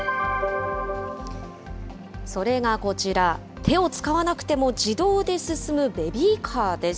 それがこちら、手を使わなくても自動で進むベビーカーです。